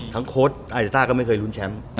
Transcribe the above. ทั้งโค้ชอายุตราก็ไม่เคยลุ้นแชมป์